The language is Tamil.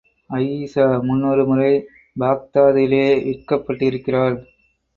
அயீஷா, முன்னொருமுறை பாக்தாதிலே விற்கப்பட்டிருக்கிறாள்.